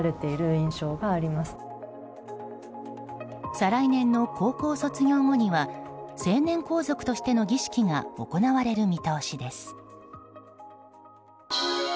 再来年の高校卒業後には成年皇族としての儀式が行われる見通しです。